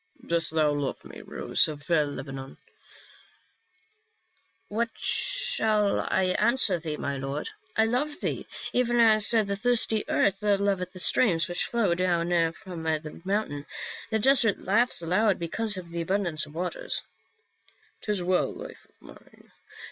" Dost thou love me, rose of Lebanon ?" "What shall I answer thee, my lord? I love thee even as the thirsty earth loveth the streams which flow down from the mountain ; the desert laughs aloud because of the abundance of waters." " 'Tis well, life of mine.